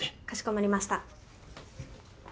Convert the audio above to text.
かしこまりました。